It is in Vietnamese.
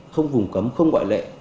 không vùng cấm không gọi lệ